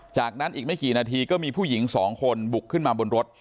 จากนั้นอีกไม่กี่นาทีก็มีผู้หญิงสองคนบุกขึ้นมาบนรถ